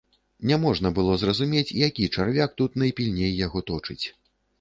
Няможна было зразумець, які чарвяк тут найпільней яго точыць.